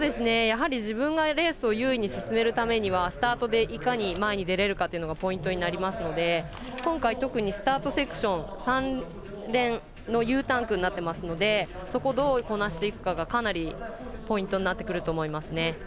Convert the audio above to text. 自分がレースを有利に進めるためにはスタートでいかに前に出れるかというのがポイントになりますので今回、特にスタートセクション三連のＵタンクになっていますのでそこをどうこなしていくかがかなりポイントになってくると思います。